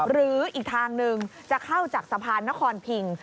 หรืออีกทางหนึ่งจะเข้าจากสะพานนครพิง